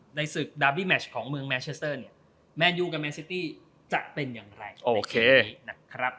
อ่ะเดี๋ยวผมขอเดี๋ยวสอบไพ่ก่อนนะครับ